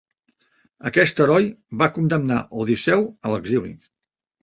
Aquest heroi va condemnar Odisseu a l'exili.